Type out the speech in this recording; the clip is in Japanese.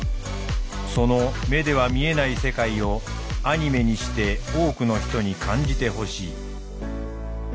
その「目では見えない世界」をアニメにして多くの人に感じてほしい。